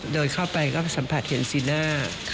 เดินเข้าไปก็สัมผัสเห็นสีหน้า